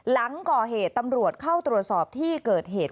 หลังก่อเหตุตำรวจเข้าตรวจสอบที่เกิดเหตุ